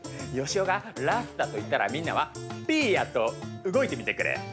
よしおが「ラスタ」と言ったらみんなは「ピーヤ」と動いてみてくれ。